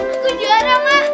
aku juara ma